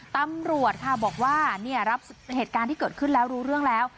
ตำรวจค่ะบอกว่าเนี่ยรับเหตุการณ์ที่เกิดขึ้นแล้วรู้เรื่องแล้ว